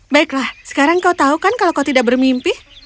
baiklah sekarang kau tahu kan kalau kau tidak bermimpi